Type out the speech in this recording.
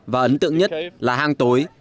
và ấn tượng nhất là hang tối